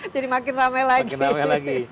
jadi makin ramai lagi